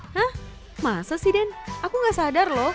hah masa sih den aku nggak sadar lho